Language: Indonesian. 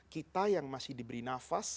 kita yang masih diberi nafas